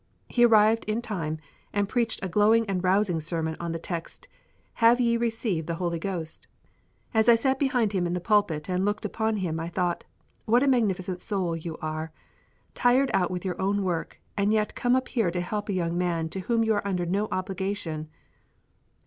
He arrived in time, and preached a glowing and rousing sermon on the text, "Have ye received the Holy Ghost?" As I sat behind him in the pulpit and looked upon him I thought, "What a magnificent soul you are! Tired out with your own work, and yet come up here to help a young man to whom you are under no obligation!"